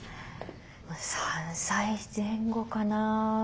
３歳前後かな。